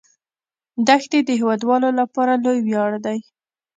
دښتې د هیوادوالو لپاره لوی ویاړ دی.